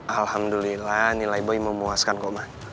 alhamdulillah nilai boy memuaskan kok ma